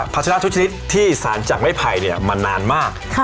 ชนะทุกชนิดที่สารจากไม้ไผ่มานานมาก